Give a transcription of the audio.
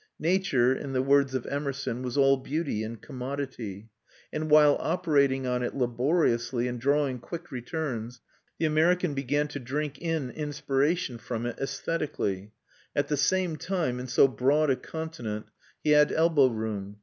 Nature, in the words of Emerson, was all beauty and commodity; and while operating on it laboriously, and drawing quick returns, the American began to drink in inspiration from it æsthetically. At the same time, in so broad a continent, he had elbow room.